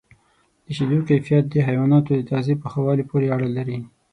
د شیدو کیفیت د حیواناتو د تغذیې په ښه والي پورې اړه لري.